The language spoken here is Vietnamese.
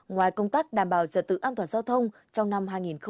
ngoài công tác đảm bảo giật tự an toàn giao thông trong năm hai nghìn một mươi năm